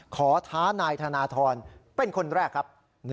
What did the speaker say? ท้านายธนทรเป็นคนแรกครับ